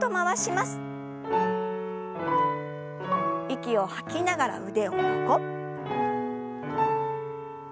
息を吐きながら腕を横。